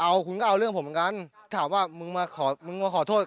เอาคุณก็เอาเรื่องผมเหมือนกันถามว่ามึงมาขอมึงมาขอโทษ